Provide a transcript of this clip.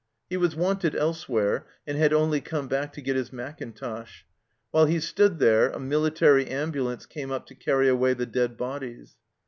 He was wanted elsewhere, and had only come back to get his mackintosh ; while he stood there a military ambulance came up to carry away the dead bodies.